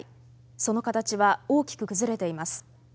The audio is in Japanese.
その形は大きく崩れています。